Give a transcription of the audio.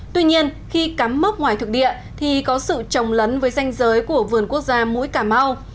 tuy nhiên khi cắm mốc ngoài thực địa thì có sự trồng lấn với danh giới của vườn quốc gia mũi cà mau